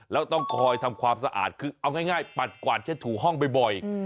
แล้วต้องคอยทำความสะอาดคือเอาง่ายปัดกวาดเช็ดถูห้องบ่อย